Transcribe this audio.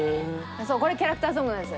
これキャラクターソングなんです。